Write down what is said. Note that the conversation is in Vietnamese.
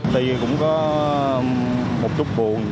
thì cũng có một chút buồn